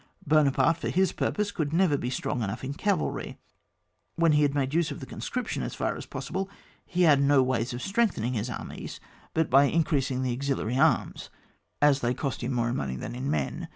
Buonaparte for his purposes could never be strong enough in cavalry ; when he had made use of the conscription as far as possible, he had no ways of strength ening his armies, but by increasing the auxiliary arms, as they cost him more in money than in men.